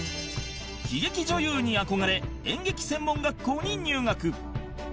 喜劇女優に憧れ演劇専門学校に入学